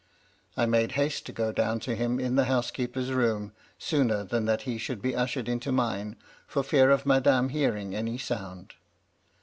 I made haste to go down to him in the housekeeper's room, sooner than that he should be ushered into mine, for fear of madame hear ing any sound.